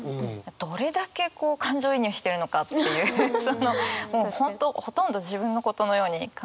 どれだけこう感情移入してるのかっていうそのもう本当ほとんど自分のことのように考えているっていう。